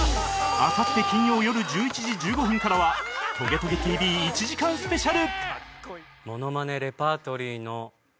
あさって金曜よる１１時１５分からは『トゲトゲ ＴＶ』１時間スペシャル